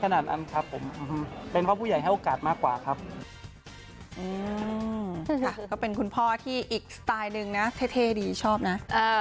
ก็เป็นคุณพ่อที่อีกสไตล์หนึ่งนะเท่ดีชอบนะ